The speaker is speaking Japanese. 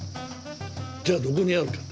じゃあどこにあるかと。